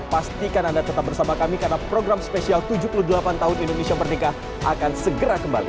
pastikan anda tetap bersama kami karena program spesial tujuh puluh delapan tahun indonesia merdeka akan segera kembali